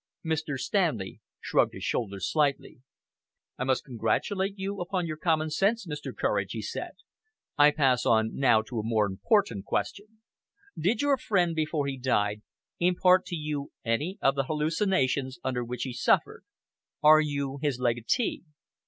Mr. Stanley shrugged his shoulders slightly. "I must congratulate you upon your common sense, Mr. Courage," he said. "I pass on now to a more important question. Did our friend, before he died, impart to you any of the hallucinations under which he suffered? Are you his legatee?"